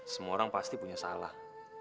semua orang pasti punya salah